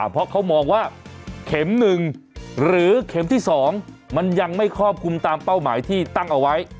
เพราะเขามองว่าเข็ม๑หรือเข็มที่๒มันยังไม่ครอบคลุมตามเป้าหมายที่ตั้งเอาไว้